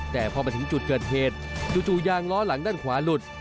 แต่พอมาถึงจุดเกิดเหตุจู่ยางล้อหลังด้านขวาหลุด